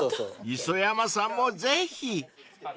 ［磯山さんもぜひ］